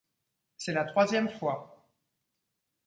C'est la troisième fois.